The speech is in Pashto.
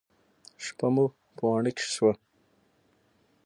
شپه مو په واڼه کښې وه.